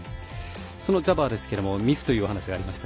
そのジャバーですけどもミスというお話がありました。